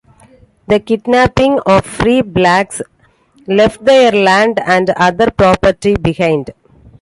The kidnapping of free blacks left their land and other property behind.